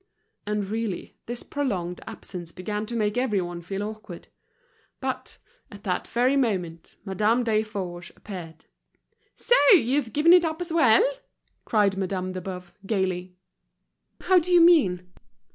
And really, this prolonged absence began to make everyone feel awkward. But, at that very moment, Madame Desforges appeared. "So you've given it up as well?" cried Madame de Boves, gaily. "How do you mean?"